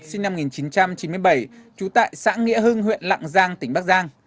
dương thị thu yên sinh năm một nghìn chín trăm chín mươi bảy trú tại xã nghĩa hưng huyện lạng giang tỉnh bắc giang